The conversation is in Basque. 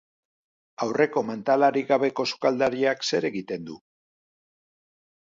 Aurreko mantalarik gabeko sukaldariak zer egiten du?